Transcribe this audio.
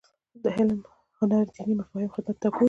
علم هنر دیني مفاهیم خدمت ته وګوماري.